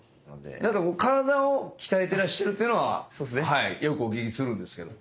「体を鍛えてらっしゃるっていうのはよくお聞きするんですけど。